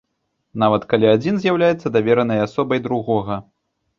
Нават калі адзін з'яўляецца даверанай асобай другога.